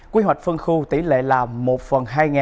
quy hoạch phân khu tỷ lệ làm một phần hai